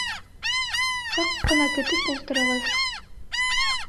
-Саҡ ҡына көтөп ултырығыҙ.